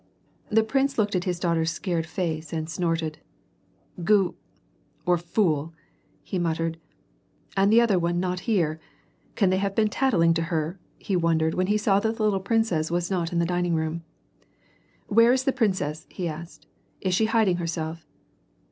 The prince looked at his daughter's scared face and snorted. "Goo — or fool!"^he muttered. "And the other one not here ? Can they have been tattling to her ?" he wondered, when he saw that the little princess was not in the dining room. "Where is the princess?" he asked. "Is she hiding her self